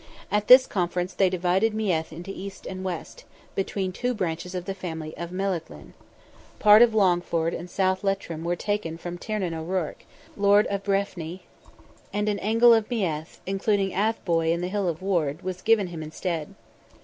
At this conference they divided Meath into east and west, between two branches of the family of Melaghlin. Part of Longford and South Leitrim were taken from Tiernan O'Ruarc, lord of Breffni, and an angle of Meath, including Athboy and the hill of Ward, was given him instead.